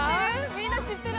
みんな知ってる？